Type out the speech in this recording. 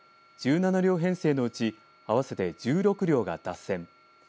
１７両編成のうち合わせて１６両が脱線。